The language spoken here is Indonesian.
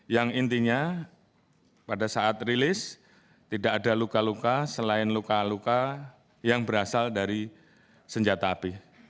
yang intinya pada saat rilis tidak ada luka luka selain luka luka yang berasal dari senjata api